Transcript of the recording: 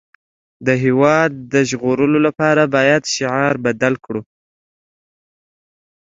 د هېواد د ژغورلو لپاره باید شعار بدل کړو